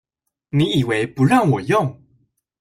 你以為不讓我用